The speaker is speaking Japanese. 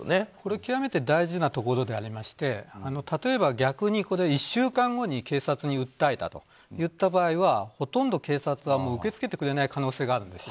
極めて大事なところでありまして例えば、逆に１週間後に警察に訴えたといった場合はほとんど警察は受け付けてくれない可能性があるんです。